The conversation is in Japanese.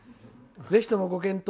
ぜひともご検討